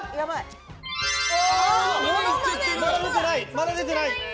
まだ出てない。